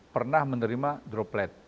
pernah menerima droplet